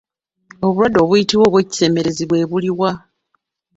Obulwadde obuyitibwa obw'ekisemerezi bwe buluwa?